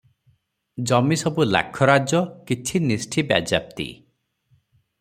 ଜମିସବୁ ଲାଖରାଜ, କିଛି ନିଷ୍ଠୀ ବାଜ୍ୟାପ୍ତି ।